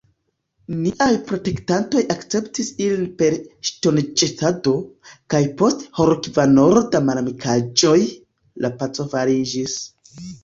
Niaj protektantoj akceptis ilin per ŝtonĵetado, kaj post horkvarono da malamikaĵoj, la paco fariĝis.